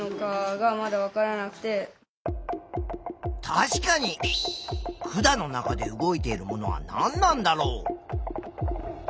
確かに管の中で動いているものは何なんだろう？